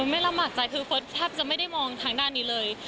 ไม่รับหมากใจคือฟ้าจะไม่ได้มองทางด้านนี้เลย